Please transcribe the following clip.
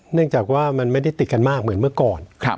เนื่องจากว่ามันไม่ได้ติดกันมากเหมือนเมื่อก่อน